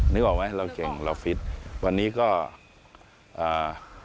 นึกออกไหมเราเก่งเราฟิตวันนี้ก็อ่า